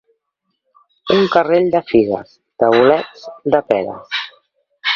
Un carrell de figues, de bolets, de peres.